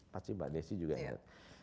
pasti mbak desi juga lihat